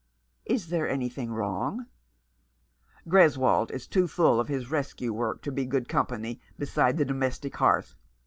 " Is there anything wrong ?"" Greswold is too full of his rescue work to be good company beside the domestic hearth.